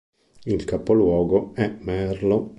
Il capoluogo è Merlo.